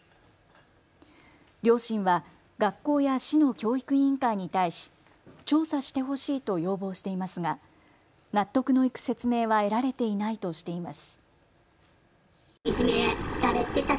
両親は学校や市の教育委員会に対し調査してほしいと要望していますが納得のいく説明は得られていないとしています。